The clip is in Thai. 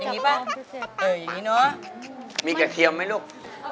เอออย่างนี้เนอะมีกระเทียมไหมลูก